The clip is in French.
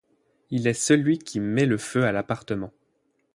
Il est celui qui met le feu à l'appartement.